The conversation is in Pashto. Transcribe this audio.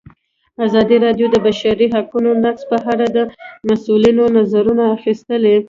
ازادي راډیو د د بشري حقونو نقض په اړه د مسؤلینو نظرونه اخیستي.